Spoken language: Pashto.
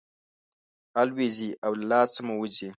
الوزي او له لاسه مو وځي.